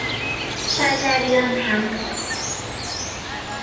شجریان هم مرد